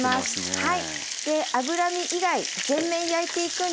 はい。